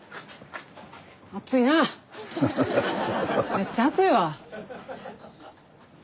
めっちゃ熱いわ。